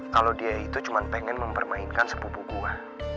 kalau dia itu cuma pengen mempermainkan sepupu gua